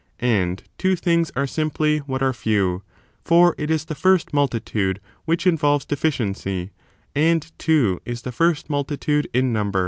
And two things are simply what are few ; for it is the first multitude which involves deficiency, and two is the first multitude in number.